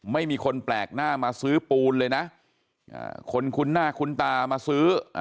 ไม่มีคนแปลกหน้ามาซื้อปูนเลยนะคนคุ้นหน้าคุ้นตามาซื้อ